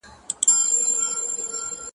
څوک حاجیان دي څوک پیران څوک عالمان دي-